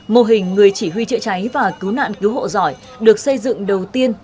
mô hình người chỉ huy chữa cháy và cứu nạn cứu hộ giỏi được xây dựng đầu tiên